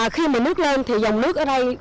khi mà nước lên thì dòng nước ở đây